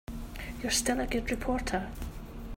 You're still a good reporter.